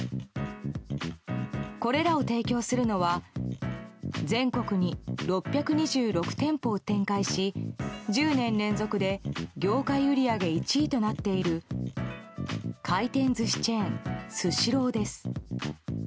これらを提供するのは全国に６２６店舗を展開し１０年連続で業界売り上げ１位となっている回転寿司チェーンスシローです。